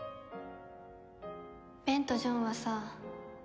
ベンとジョンはさ